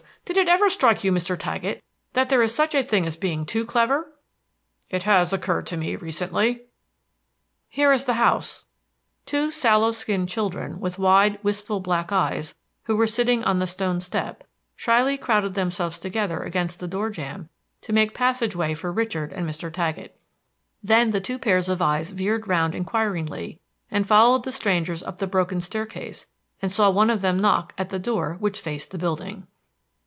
Did it ever strike you, Mr. Taggett, that there is such a thing as being too clever?" "It has occurred to me recently." "Here is the house." Two sallow skinned children, with wide, wistful black eyes, who were sitting on the stone step, shyly crowded themselves together against the door jamb to make passage way for Richard and Mr. Taggett. Then the two pairs of eyes veered round inquiringly, and followed the strangers up the broken staircase and saw one of them knock at the door which faced the building.